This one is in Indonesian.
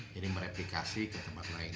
jadi mereplikasi ke tempat lain